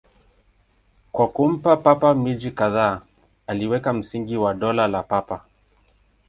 Kwa kumpa Papa miji kadhaa, aliweka msingi wa Dola la Papa.